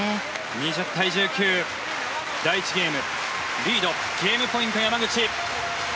２０対１９、第１ゲームゲームポイント、山口。